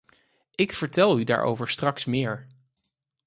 Ik vertel u daarover straks meer.